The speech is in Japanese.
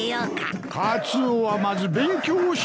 カツオはまず勉強をしなさい。